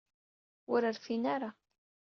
Ur rfin ara.